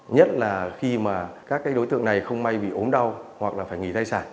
nhất là khi mà các đối tượng này không may bị ốm đau hoặc là phải nghỉ thai sản